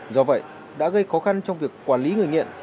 do vậy đã gây khó khăn trong việc quản lý người nghiện